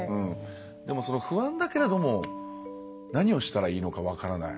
でも、不安だから何をしたらいいのか分からない。